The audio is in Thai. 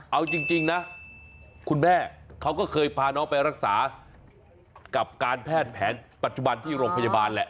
เอาจริงนะคุณแม่เขาก็เคยพาน้องไปรักษากับการแพทย์แผนปัจจุบันที่โรงพยาบาลแหละ